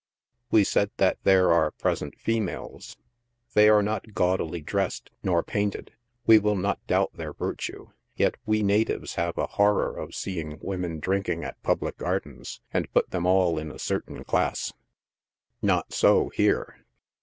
We said that there are present, females — they are not gaudily dressed nor painted — we will not doubt their virtue — yet we natives have a hor ror of seeing women drinking at public gardens, and put them all in a certain class — not so here.